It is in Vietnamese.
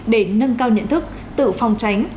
để nâng cao nhận thức tự phòng tránh